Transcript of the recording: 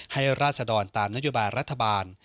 ให้ราชดอนตามนโยบารรัฐบาล